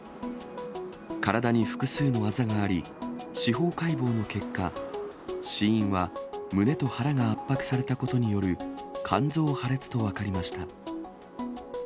体に複数のあざがあり、司法解剖の結果、死因は、胸と腹が圧迫されたことによる肝臓破裂と分かりました。